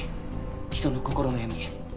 人の心の闇。